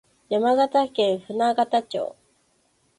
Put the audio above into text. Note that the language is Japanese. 山形県舟形町